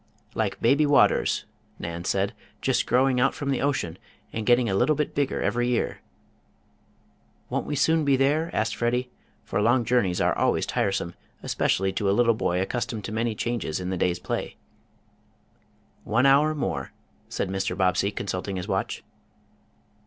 "Like 'Baby Waters'" Nan said, "just growing out from the ocean, and getting a little bit bigger every year." "Won't we soon be there?" asked Freddie, for long journeys are always tiresome, especially to a little boy accustomed to many changes in the day's play. "One hour more," said Mr. Bobbsey, consulting his watch.